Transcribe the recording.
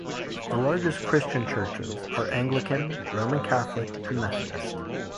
The largest Christian churches are Anglican, Roman Catholic, and Methodist.